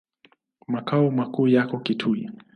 Makao makuu yako Kitui.